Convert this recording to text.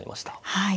はい。